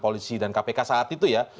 polisi dan kpk saat itu ya